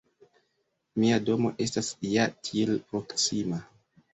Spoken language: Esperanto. Mia domo estas ja tiel proksima!